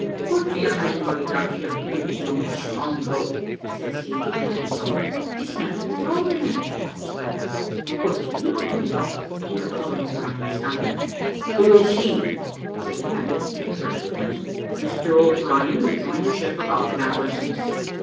`What do you mane by that, you big young scoundrel?' says he, when he saw me. `It's nothing at all I mane,' replied I; `but what do you mane by calling an O'Brien a scoundrel?' `Who is he?' said the captain to the first lieutenant. `Mr O'Brien, who joined the ship about an hour since.'